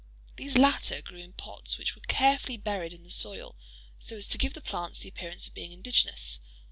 These latter grew in pots which were carefully buried in the soil, so as to give the plants the appearance of being indigenous.